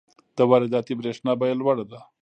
د وارداتي برښنا بیه لوړه ده.